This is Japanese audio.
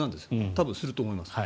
多分すると思います。